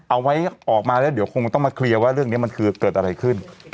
เอาไว้ออกมาแล้วเดี๋ยวคงต้องมาเคลียร์ว่าเรื่องนี้มันคือเกิดอะไรขึ้น